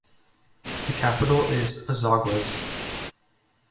The capital is Azogues.